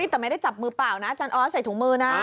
แต่ไม่ได้จับมือเปล่านะอาจารย์ออสใส่ถุงมือนะ